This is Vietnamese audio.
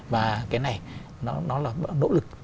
và cái này nó là nỗ lực